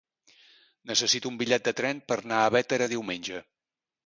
Necessito un bitllet de tren per anar a Bétera diumenge.